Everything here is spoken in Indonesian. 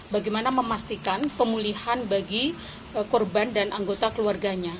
bagaimana memastikan pemulihan bagi korban dan anggota keluarganya